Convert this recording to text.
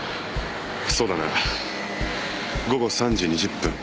そうだな午後３時２０分。